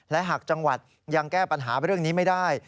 และหากจังหวัดยังแก้ปัญหาเรื่องนี้ไม่ได้